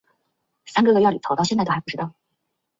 汉纂修房五间。